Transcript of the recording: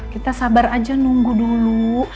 kita sabar aja nunggu dulu